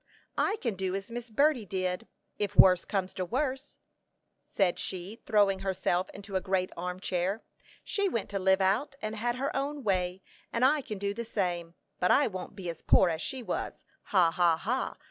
"I can do as Miss Berty did, if worse comes to worst," said she, throwing herself into a great armchair. "She went to live out, and had her own way, and I can do the same; but I won't be as poor as she was. Ha, ha, ha!